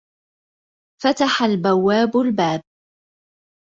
فتح البوّاب البابَ.